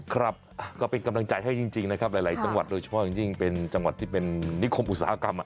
ครับก็เป็นกำลังใจให้จริงนะครับหลายจังหวัดโดยเฉพาะอย่างยิ่งเป็นจังหวัดที่เป็นนิคมอุตสาหกรรม